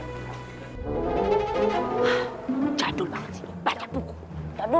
hah jadul banget sih baca buku jadul